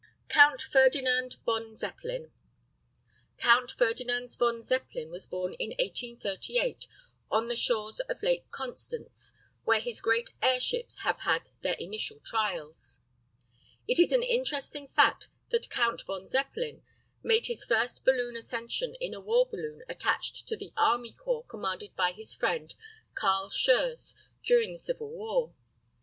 COUNT FERDINAND VON ZEPPELIN. COUNT FERDINAND VON ZEPPELIN was born in 1838, on the shores of the Lake Constance, where his great airships have had their initial trials. It is an interesting fact that Count von Zeppelin made his first balloon ascension in a war balloon attached to the army corps commanded by his friend, Carl Schurz, during the Civil War.